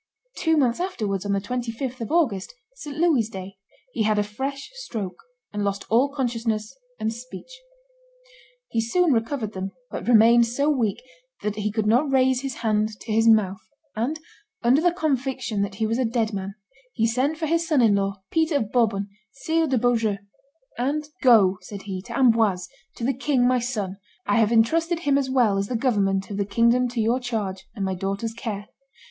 Two months afterwards, on the 25th of August, St. Louis's day, he had a fresh stroke, and lost all consciousness and speech. He soon recovered them; but remained so weak that he could not raise his hand to his mouth, and, under the conviction that he was a dead man, he sent for his son in law, Peter of Bourbon, Sire de Beaujeu; and "Go," said he, "to Amboise, to the king, my son; I have intrusted him as well as the government of the kingdom to your charge and my daughter's care.